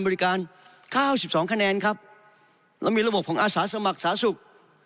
บริการเก้าสิบสองคะแนนครับเรามีระบบของอาสาสมัครสาสุข